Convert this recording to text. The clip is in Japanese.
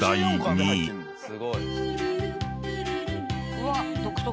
うわっ独特。